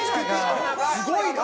すごいな！